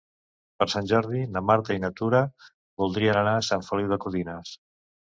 Per Sant Jordi na Marta i na Tura voldrien anar a Sant Feliu de Codines.